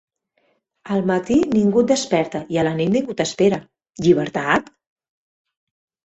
Al matí ningú et desperta, i a la nit ningú t'espera: llibertat?